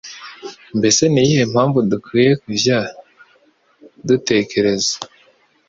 mbese niyihe mpamvu dukwiye kujya dutekereza